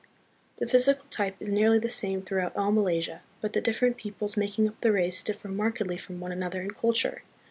The physical type is nearly the same throughout all Malaysia, but the different peoples making up the race differ markedly from one another in culture.